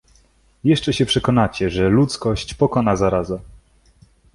Jeszcze się przekonacie, że ludzkość pokona zaraza.